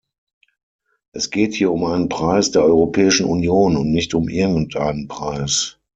Es geht hier um einen Preis der Europäischen Union und nicht um irgendeinen Preis.